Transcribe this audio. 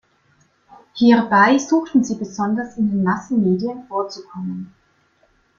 Hierbei suchten sie besonders, in den Massenmedien vorzukommen.